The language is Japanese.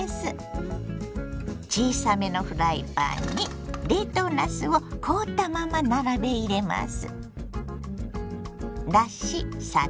小さめのフライパンに冷凍なすを凍ったまま並べ入れます。